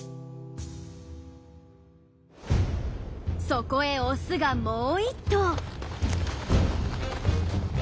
そこへオスがもう一頭。